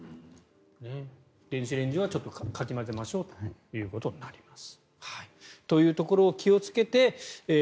電子レンジはちょっとかき混ぜましょうということになります。